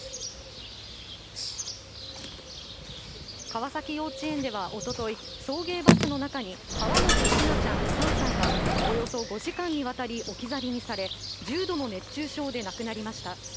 川崎幼稚園では一昨日、送迎バスの中に河本千奈ちゃん、３歳がおよそ５時間にわたり置き去りにされ、重度の熱中症で亡くなりました。